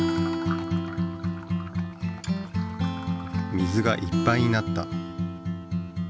水がいっぱいになった。